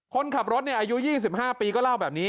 คนขับรถอายุ๒๕ปีก็เล่าแบบนี้